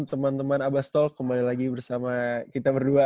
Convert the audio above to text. teman teman abbastol kembali lagi bersama kita berdua